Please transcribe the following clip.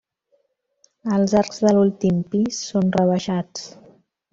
Els arcs de l'últim pis són rebaixats.